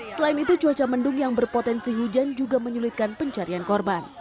selain itu cuaca mendung yang berpotensi hujan juga menyulitkan pencarian korban